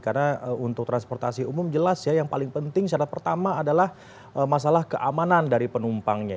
karena untuk transportasi umum jelas ya yang paling penting syarat pertama adalah masalah keamanan dari penumpangnya